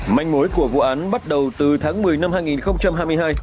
manh mối của vụ án bắt đầu từ tháng một mươi năm hai nghìn hai mươi hai